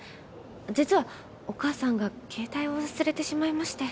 実はお母さんが携帯を忘れてしまいまして。